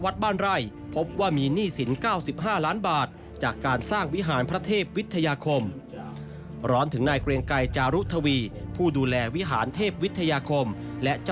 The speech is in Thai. ส่วนการตรวจสอบทรัพย์ศิลป์